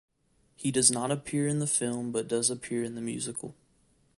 He does not appear in the film but does appear in the musical.